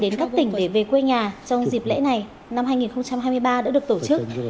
đến các tỉnh để về quê nhà trong dịp lễ này năm hai nghìn hai mươi ba đã được tổ chức